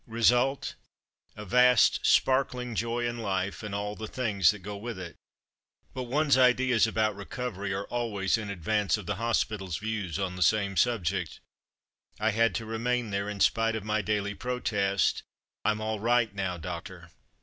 Result : a vast sparkling joy in life, and all the things that go with it. But one's ideas about recovery are always in advance of the hospital's views on the same subject. I had to remain there, in spite of my daily protest: "Fm all right now, doctor.''